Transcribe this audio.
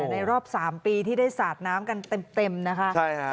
ในรอบ๓ปีที่ได้สาดน้ำกันเต็มนะคะ